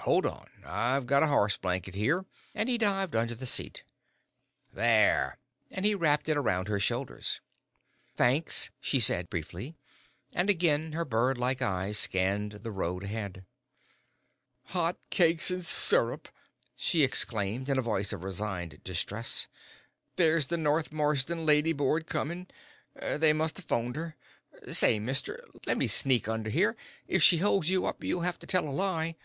"Hold on; I've got a horse blanket here," and he dived under the seat. "There!" and he wrapped it around her shoulders. "Thanks," she said, briefly, and again her bird like eyes scanned the road ahead. "Hot cakes an' syrup!" she exclaimed, in a voice of resigned distress, "there's the North Marsden lady board comin'. They must have 'phoned her. Say, mister, lemme sneak under here. If she holes you up, you'll have to tell a lie."